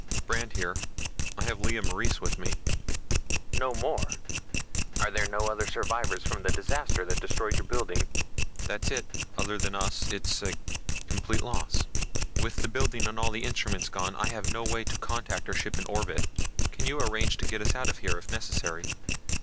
"Brandd here. I have Lea Morees with me...." "No more? Are there no other survivors from the disaster that destroyed your building?" "That's it, other than us it's a ... complete loss. With the building and all the instruments gone, I have no way to contact our ship in orbit. Can you arrange to get us out of here if necessary?"